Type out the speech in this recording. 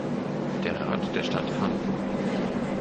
Der Rat der Stadt Hann.